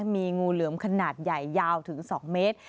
มีงูเหลือมขนาดใหญ่ยาวถึง๒เมตร